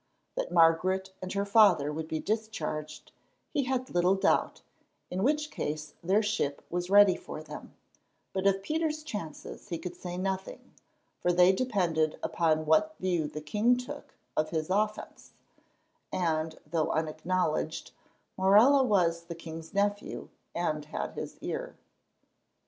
That Margaret and her father would be discharged he had little doubt, in which case their ship was ready for them; but of Peter's chances he could say nothing, for they depended upon what view the king took of his offence, and, though unacknowledged, Morella was the king's nephew and had his ear.